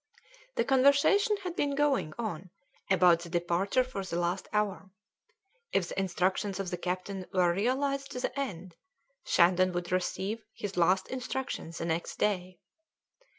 The conversation had been going on about the departure for the last hour. If the instructions of the captain were realised to the end, Shandon would receive his last instructions the next day.